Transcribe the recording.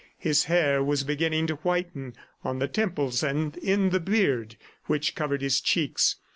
His hair was beginning to whiten on the temples and in the beard which covered his cheeks.